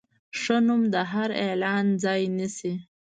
ښه نوم د هر اعلان ځای نیسي.